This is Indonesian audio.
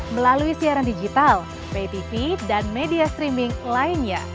melalui siaran digital pay tv dan media streaming lainnya